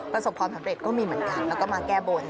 ประสบความสำเร็จก็มีเหมือนกันแล้วก็มาแก้บน